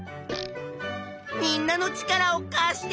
みんなの力をかして！